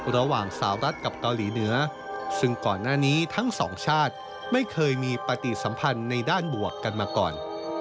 สาวรัฐกับเกาหลีเหนือซึ่งก่อนหน้านี้ทั้งสองชาติไม่เคยมีปฏิสัมพันธ์ในด้านบวกกันมาก่อน